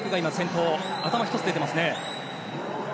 頭１つ出ていますね。